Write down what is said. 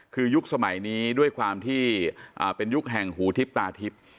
คือยุคสมัยนี้ด้วยความที่เป็นยุคแห่งหูทิพย์ตาทิพย์